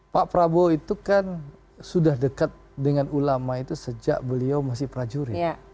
pak prabowo itu kan sudah dekat dengan ulama itu sejak beliau masih prajurit